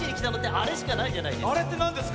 あれってなんですか？